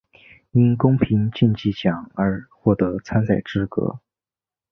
因公平竞技奖而获得参赛资格。